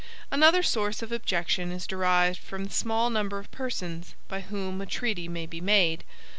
Another source of objection is derived from the small number of persons by whom a treaty may be made.